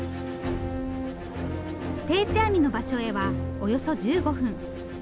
定置網の場所へはおよそ１５分。